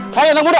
tidak anak muda